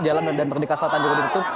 jalan medan merdeka selatan juga ditutup